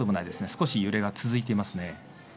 少し揺れが続いています。